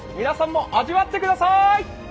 皆さんも味わってください！